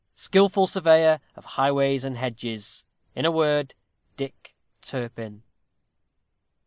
Skilful surveyor of highways and hedges; in a word Dick Turpin!